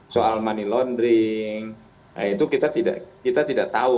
soal money laundering itu kita tidak tahu